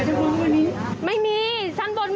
เดี๋ยวให้กลางกินขนม